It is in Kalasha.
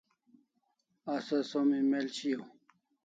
Asa som email shiau